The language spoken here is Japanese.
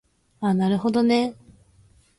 あなるほどね